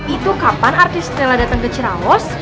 itu kapan artis stella datang ke cirawas